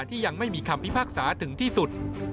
ที่ยังไม่มีคำพิพากษาถึงที่สุด